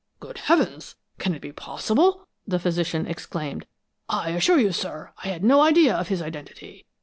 "Good heavens! Can it be possible!" the physician exclaimed. "I assure you, sir, I had no idea of his identity.